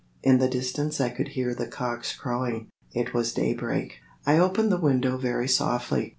In the distance I could hear the cocks crowing. It was daybreak. I opened the window very softly.